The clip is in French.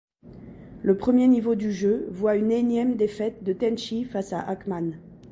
Le premier niveau du jeu voit une énième défaite de Tenshi face à Ackman.